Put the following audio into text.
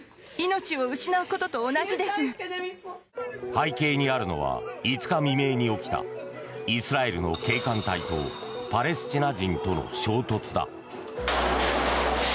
背景にあるのは５日未明に起きたイスラエルの警官隊とパレスチナ人との衝突だ。